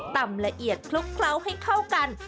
ละเอียดคลุกเคล้าให้เข้ากัน